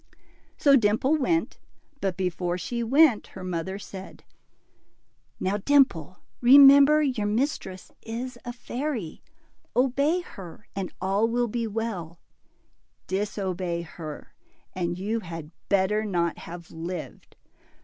So Dimple went, but before she went, her mother said, Now, Dimple, remember, your mistress is a fairy ; obey her, and all will be well; disobey her, and you had better not have lived.